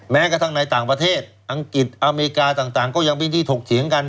แม้กระทั่งในต่างประเทศอังกฤษอเมริกาต่างก็ยังมีที่ถกเถียงกัน